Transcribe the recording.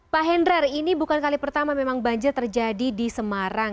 pak hendrar ini bukan kali pertama memang banjir terjadi di semarang